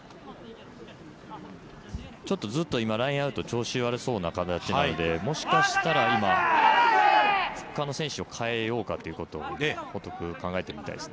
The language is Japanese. ちょっとずっと今、ラインアウト調子悪そうな感じなので、もしかしたら、今、フランカーの選手を代えようかということを報徳は考えているようですね。